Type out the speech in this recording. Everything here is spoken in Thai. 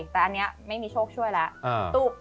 แต่อันนี้ไม่มีโชคช่วยแล้ว